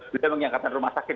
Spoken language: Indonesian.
sudah menyangkatkan rumah sakit